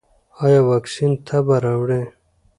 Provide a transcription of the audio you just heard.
ایا واکسین تبه راوړي؟